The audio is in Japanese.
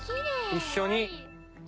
一緒に。